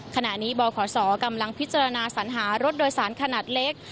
ขณะนี้บขศกำลังพิจารณาสัญหารถโดยสารขนาดเล็ก